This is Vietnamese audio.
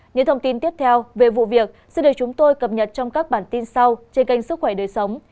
những thông tin tiếp theo về vụ việc sẽ được chúng tôi cập nhật trong các bản tin sau trên kênh sức khỏe đời sống